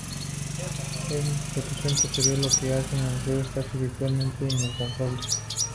Es esta exploración posterior lo que hace al juego casi virtualmente inacabable.